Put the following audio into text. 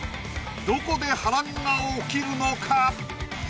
どこで波乱が起きるのか？